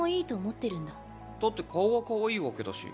だって顔はカワイイわけだし。